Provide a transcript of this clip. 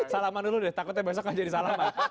salaman dulu deh takutnya besok gak jadi salaman